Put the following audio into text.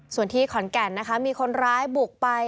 ส่วนที่ขอนแก่นนะคะมีคนร้ายบุกไป